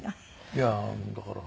いやだから。